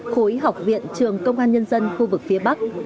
khối học viện trường công an nhân dân khu vực phía bắc